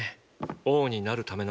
王になるための。